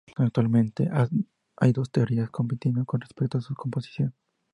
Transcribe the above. Actualmente hay dos teorías compitiendo con respecto a su composición.